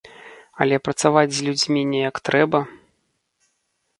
Але працаваць з людзьмі неяк трэба.